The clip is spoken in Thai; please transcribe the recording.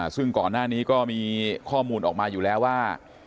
ซึ่งก่อนหน้านี้ก็มีข้อมูลออกมาอยู่แล้วว่า